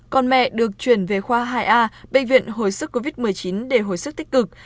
còn mẹ được chuyển về khoa hai a bệnh viện hồi sức covid một mươi chín để hồi sức tích cực